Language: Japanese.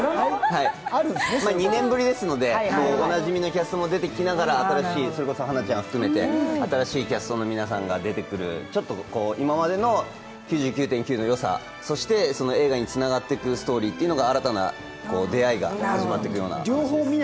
２年ぶりですので、おなじみのキャストも出てきながら、それこそ花ちゃんを含めて新しいキャストの皆さんが出てくる今までの「９９．９」のよさ、そして映画につながっていくストーリーというのが、新たな出会いが始まっていくというような。